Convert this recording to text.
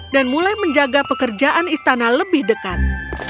dan mulai menjaga pekerjaan istana lebih dekat